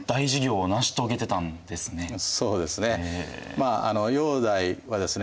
まあ煬帝はですね